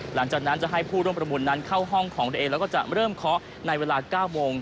หลังจากนั้นจะให้ผู้ร่วมประมูลนั้นเข้าห้องของตัวเองแล้วก็จะเริ่มเคาะในเวลา๙โมง